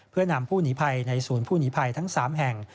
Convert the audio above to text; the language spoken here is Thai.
เพื่อนำผู้หนีภัยในศูนย์ผู้หนีภัยทั้ง๓แห่ง